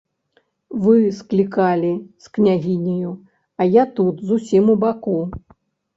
Вы склікалі з княгіняю, а я тут зусім убаку.